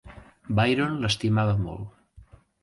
Byron l'estimava molt.